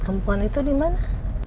perempuan itu di mana